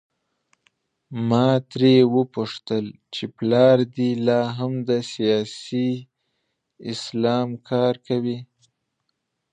ما ترې وپوښتل چې پلار دې لا هم د سیاسي اسلام کار کوي؟